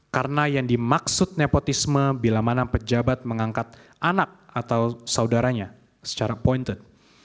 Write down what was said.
karena yang dimaksud nepotisme bila mana pejabat mengangkat anak atau saudaranya secara pointed